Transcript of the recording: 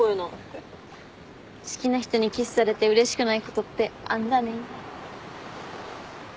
好きな人にキスされてうれしくないことってあるんだね。